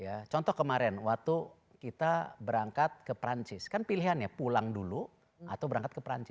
ya contoh kemarin waktu kita berangkat ke perancis kan pilihannya pulang dulu atau berangkat ke perancis